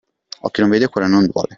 Occhio non vede, cuore non duole.